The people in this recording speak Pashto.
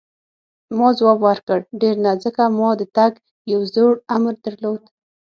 ما ځواب ورکړ: ډېر نه، ځکه ما د تګ یو زوړ امر درلود.